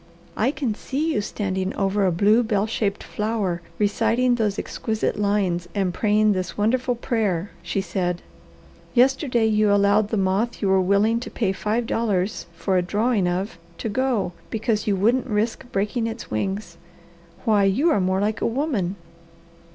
"I can see you standing over a blue, bell shaped flower reciting those exquisite lines and praying this wonderful prayer," she said. "Yesterday you allowed the moth you were willing to pay five dollars for a drawing of, to go, because you wouldn't risk breaking its wings. Why you are more like a woman!"